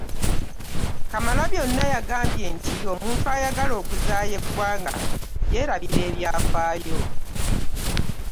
Kamalabyonna yagambye nti omuntu atyagala okuzaaya eggwanga yeerabira ebyafaayo